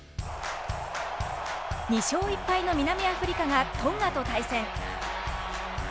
２勝１敗の南アフリカがトンガと対戦。